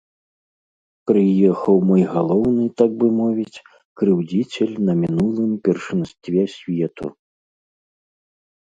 Прыехаў мой галоўны так бы мовіць крыўдзіцель на мінулым першынстве свету.